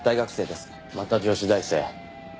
また女子大生。